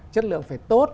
chất lượng phải tốt